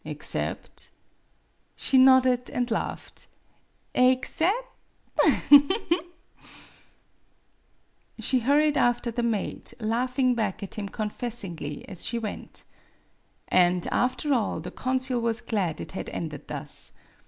" Except ?" She nodded and laughed. " Aexcep' Ha, ha, ha!" She hurried after the maid, laughing back at him confessingly as she went. And, after all, the consul was glad it had ended thus.